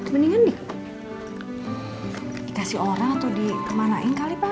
mendingan dikasih orang atau dikemanain kali pak